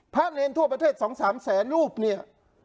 ภาพเลนส์ทั่วประเทศสองสามแสนรูปเนี่ย